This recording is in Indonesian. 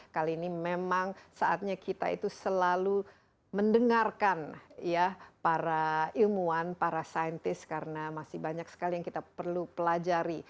kali ini memang saatnya kita itu selalu mendengarkan ya para ilmuwan para saintis karena masih banyak sekali yang kita perlu pelajari